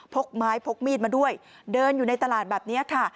กไม้พกมีดมาด้วยเดินอยู่ในตลาดแบบนี้ค่ะ